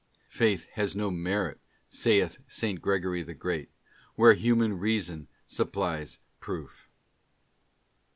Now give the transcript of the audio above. ' Faith has no merit,' saith S. Gregory the Great, 'where human Reason supplies proof.